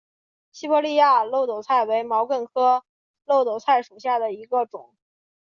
西伯利亚耧斗菜为毛茛科耧斗菜属下的一个种。